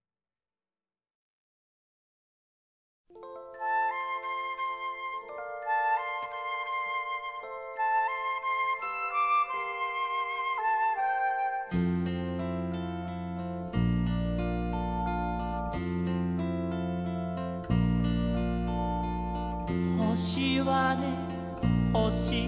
「ほしはねほしはね」